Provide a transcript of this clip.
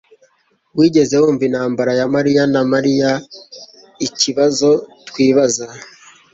Wigeze wumva intambara ya mariya na Mariyaikibazo twibaza